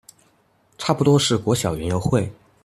差不多是國小園遊會